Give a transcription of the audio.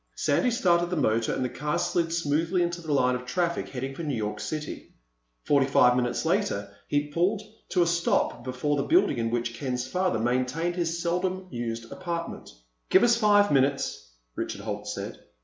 Sandy started the motor and the car slid smoothly into the line of traffic heading for New York City. Forty five minutes later he pulled to a stop before the building in which Ken's father maintained his seldom used apartment. "Give me five minutes," Richard Holt said.